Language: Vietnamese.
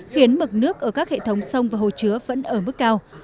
khiến mực nước ở các hệ thống sông và hồ chứa vẫn ở mức cao